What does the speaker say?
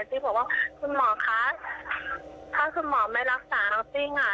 ตรงจริงพูดว่าคุณหมอคะถ้าคุณหมอไม่รักษาตรงจริงอ่ะ